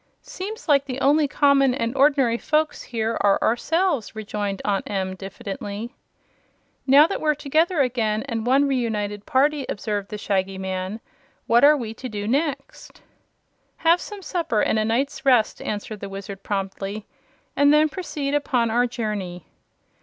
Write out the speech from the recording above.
"Seems like the only common and ordinary folks here are ourselves," rejoined Aunt Em, diffidently. "Now that we're together again, and one reunited party," observed the Shaggy Man, "what are we to do next?" "Have some supper and a night's rest," answered the Wizard promptly, "and then proceed upon our journey."